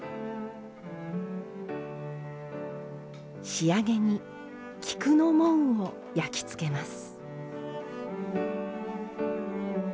仕上げに菊の紋を焼き付けます。